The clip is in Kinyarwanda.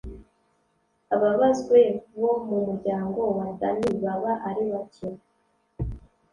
ababazwe bo mu muryango wa dani baba aribake.